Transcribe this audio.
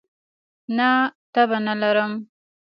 نه، تبه نه لرم